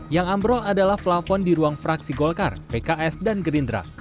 yang ambrol adalah plafon di ruang fraksi golkar pks dan gerindra